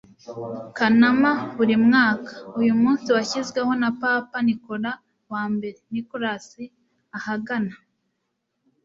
kanama buri mwaka. uyu munsi washyizweho na papa nikola wa mbere (nicolas ahagana